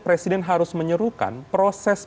presiden harus menyerukan proses